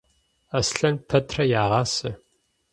Аслъэн пэтрэ ягъасэ.